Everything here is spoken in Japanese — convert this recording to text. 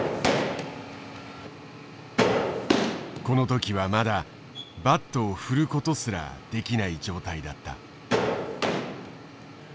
この時はまだバットを振ることすらできない状態だった。